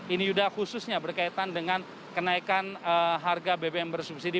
ini yuda khususnya berkaitan dengan kenaikan harga bbm bersubsidi